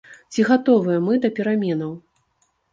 Ці гатовыя мы да пераменаў?